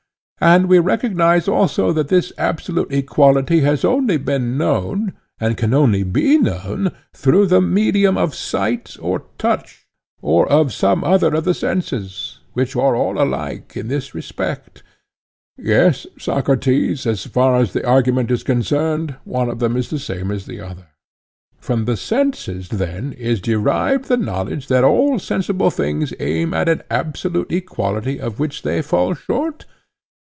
And we recognize also that this absolute equality has only been known, and can only be known, through the medium of sight or touch, or of some other of the senses, which are all alike in this respect? Yes, Socrates, as far as the argument is concerned, one of them is the same as the other. From the senses then is derived the knowledge that all sensible things aim at an absolute equality of which they fall short?